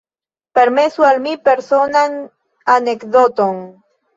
Permesu al mi personan anekdoton.